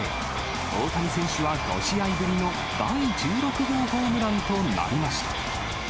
大谷選手は５試合ぶりの第１６号ホームランとなりました。